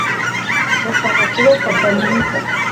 ndashaka kuba papa mwiza